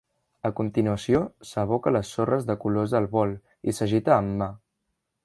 A continuació, s'aboca les sorres de colors al bol i s'agita amb mà.